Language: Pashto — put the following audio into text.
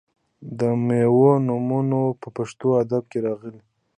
د میوو نومونه په پښتو ادب کې راغلي.